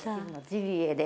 ジビエで。